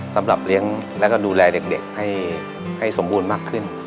สำหรับเลี้ยงแล้วก็ดูแลเด็กให้สมบูรณ์มากขึ้น